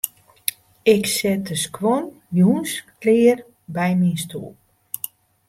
Ik set de skuon jûns klear by myn stoel.